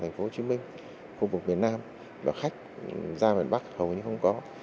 thành phố hồ chí minh khu vực miền nam và khách ra miền bắc hầu như không có